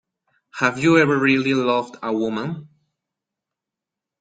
Have you ever really loved a woman?